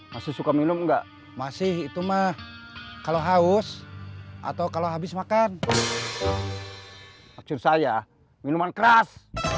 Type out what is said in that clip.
masih suka minum enggak masih itu mah kalau haus atau kalau habis makan maksud saya minuman keras